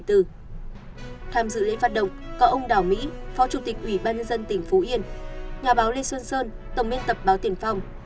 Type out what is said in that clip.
tham dự lễ phát động có ông đào mỹ phó chủ tịch ủy ban nhân dân tỉnh phú yên nhà báo lê xuân sơn tổng biên tập báo tiền phong